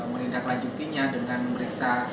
tidak lanjutinya dengan memeriksa